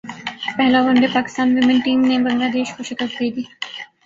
پہلا one day Pakistan women team نے Bangladesh کو شکست دے دی